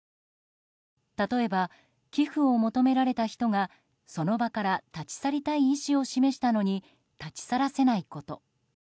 例えば、寄付を求められた人がその場から立ち去りたい意思を示したのに立ち去らせないこと。